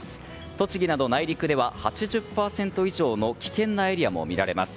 栃木など内陸では８０％以上の危険なエリアも見られます。